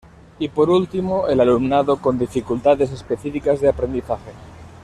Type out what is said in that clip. Y por último, el alumnado con dificultades específicas de aprendizaje.